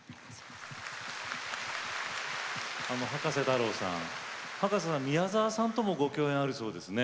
あの葉加瀬太郎さん葉加瀬さんは宮沢さんともご共演あるそうですね。